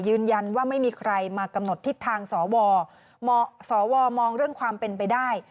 ยืนยันว่าไม่มีใครมากำหนดทิศทางสวสวมองเรื่องความเป็นไปได้